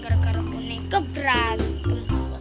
gara gara aku nih keberanian